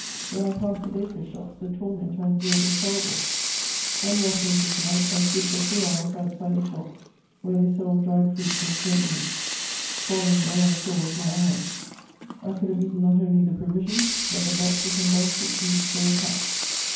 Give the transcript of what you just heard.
When I passed the bakers' shops, the torment I endured was horrible. One rough winter's night, I stood for two hours outside a shop where they sold dried fruits and smoked meats, swallowing all I saw with my eyes: I could have eaten not only the provisions, but the boxes and baskets in which they were packed.